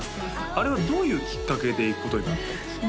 あれはどういうきっかけで行くことになったんですか？